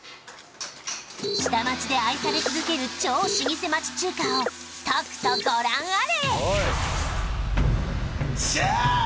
下町で愛され続ける超老舗町中華をとくとご覧あれ！